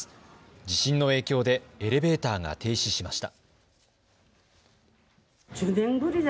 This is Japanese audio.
地震の影響でエレベーターが停止しました。